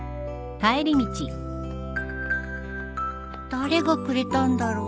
誰がくれたんだろう